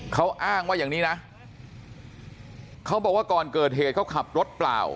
เขาอ้างว่าอย่างนี้นะเขาบอกว่าก่อนเกิดเหตุเขาขับรถเปล่า